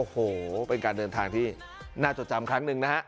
โอ้โหเป็นการเดินทางที่น่าจดจำครั้งหนึ่งนะฮะ